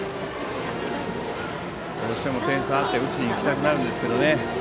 どうしても点差があって打ちに行きたくなるんですけどね。